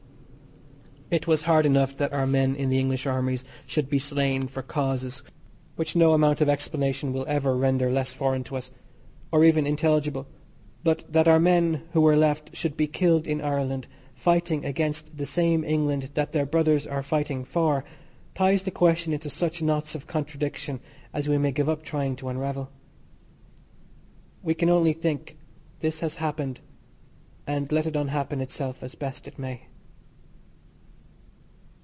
It was hard enough that our men in the English armies should be slain for causes which no amount of explanation will ever render less foreign to us, or even intelligible; but that our men who were left should be killed in Ireland fighting against the same England that their brothers are fighting for ties the question into such knots of contradiction as we may give up trying to unravel. We can only think this has happened and let it unhappen itself as best it may.